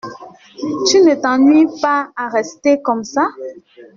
Tu ne t’ennuies pas à rester comme ça?